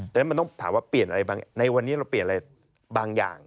แต่มันต้องถามว่าในวันนี้เราเปลี่ยนอะไรบางอย่าง